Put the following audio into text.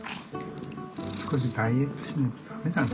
少しダイエットしないと駄目だね